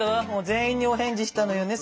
全員にお返事したのよね